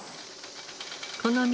この道